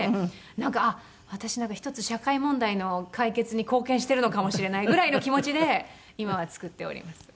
なんかあっ私一つ社会問題の解決に貢献しているのかもしれないぐらいの気持ちで今は作っております。